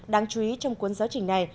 đáng chú ý trong cuốn giáo trình này